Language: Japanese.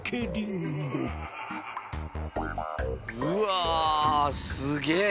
うわすげえ！